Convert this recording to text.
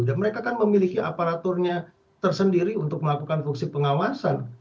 dan mereka kan memiliki aparaturnya tersendiri untuk melakukan fungsi pengawasan